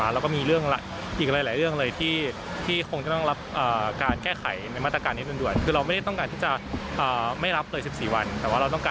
วันนี้ก็คงจะได้กระทบต่ำดับลองลงมา